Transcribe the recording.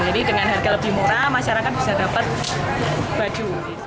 jadi dengan harga lebih murah masyarakat bisa dapat baju